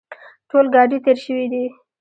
ټول ګاډي تېر شوي دي.